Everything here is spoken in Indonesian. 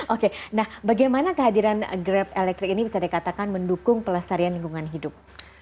oke nah bagaimana kehadiran grab elektrik ini bisa dikatakan mendukung pelestarian lingkungan hidup